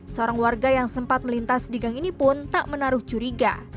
seorang warga yang sempat melintas di gang ini pun tak menaruh curiga